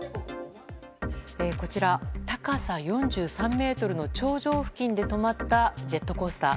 こちら、高さ４３ｍの頂上付近で止まったジェットコースター。